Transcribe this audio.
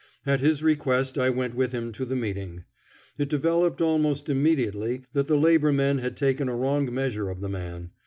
At his request I went with him to the meeting. It developed almost immediately that the labor men had taken a wrong measure of the man.